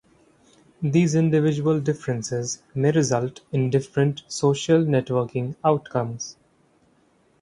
These individual differences may result in different social networking outcomes.